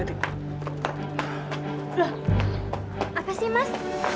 apa sih mas